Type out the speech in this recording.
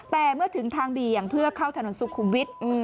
แต่เมื่อถึงทางเบี่ยงเพื่อเข้าถนนสุขุมวิทย์